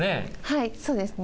はいそうですね。